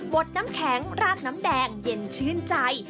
ดน้ำแข็งราดน้ำแดงเย็นชื่นใจ